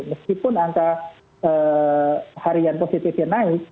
meskipun angka harian positifnya naik